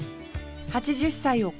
８０歳を超えた